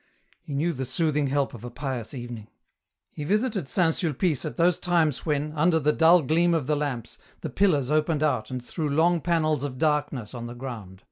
He knew the soothing help of a pious evening. He visited St. Sulpice at those times when, under the dull gleam of the lamps, the pillars opened out and threw long panels of darkness on the ground.